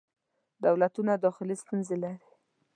دولتونه داخلې ستونزې لري.